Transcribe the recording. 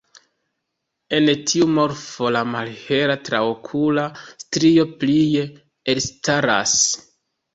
En tiu morfo la malhela traokula strio plie elstaras.